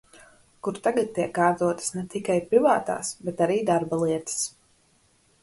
Kur tagad tiek kārtotas ne tikai privātās, bet arī darba lietas.